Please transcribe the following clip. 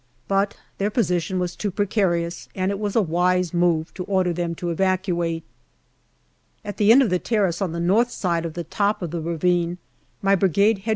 But their position was too precarious, and it was a wise move to order them to evacuate. At the end of the terrace on the north side of the top of the ravine, my Brigade H.Q.